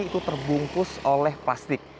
itu terbungkus oleh plastik